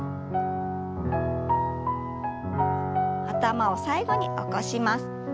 頭を最後に起こします。